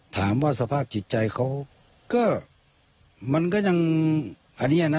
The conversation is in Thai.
สภาพจิตใจเขาก็มันก็ยังอันนี้นะ